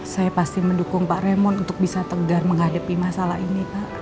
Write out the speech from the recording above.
saya pasti mendukung pak remon untuk bisa tegar menghadapi masalah ini pak